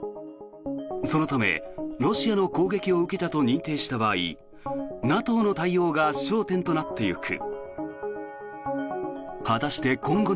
そのためロシアの攻撃を受けたと認定した場合ＮＡＴＯの対応が焦点となっていく。